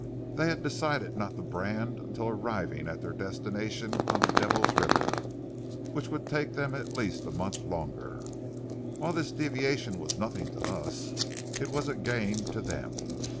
They had decided not to brand until arriving at their destination on the Devil's River, which would take them at least a month longer. While this deviation was nothing to us, it was a gain to them.